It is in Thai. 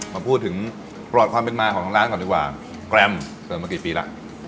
มาพูดถึงปลอดความเป็นมาของทางร้านก่อนดีกว่าแกรมเปิดมากี่ปีแล้ว